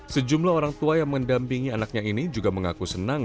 sejumlah orang tua yang mendampingi anaknya ini juga mengaku senang